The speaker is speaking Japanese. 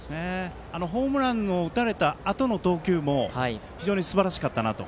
ホームランを打たれたあとの投球も非常にすばらしかったなと。